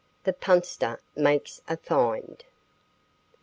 THE PUNSTER MAKES A FIND.